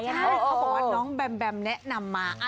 ใช่เขาบอกว่าน้องแบมแบมแนะนำมา